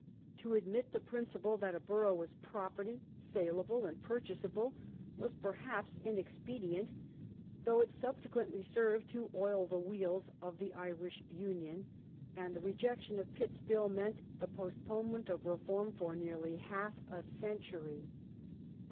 To admit the principle that a borough was \ property, saleable and purchaseable, was perhaps inexpedient, though it subsequently served to oil the wheels of the Irish Union, and the rejection of Pitt's Bill meant the ])ostponement of reform for nearly half a century.